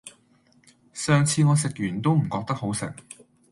上次我食完都唔覺得好食